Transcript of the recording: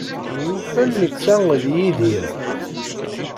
Myufan netta d Yidir.